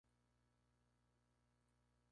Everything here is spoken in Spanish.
Esto se traduce en torpeza con sus novios y citas.